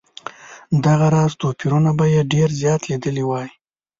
دغه راز توپیرونه به یې ډېر زیات لیدلي وای.